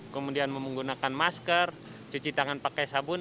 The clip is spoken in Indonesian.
kemudian menggunakan masker cuci tangan pakai sabun